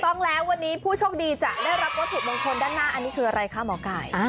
ต้องแล้ววันนี้ผู้โชคดีจะได้รับวัตถุมงคลด้านหน้าอันนี้คืออะไรคะหมอไก่